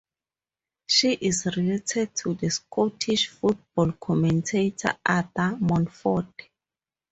She is related to the Scottish football commentator Arthur Montford.